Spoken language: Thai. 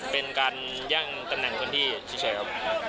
เป็นการแย่งตำแหน่งพื้นที่เฉยครับ